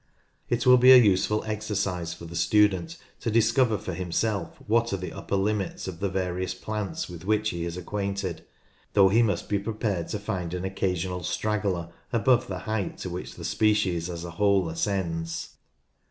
It will be a useful exercise for the student to discover for himself what are the upper limits of the various plants with which he is acquainted, though he must be prepared ■■■ Geranium sanguineum, variety lancastriense to find an occasional straggler above the height to which the species as a whole ascends.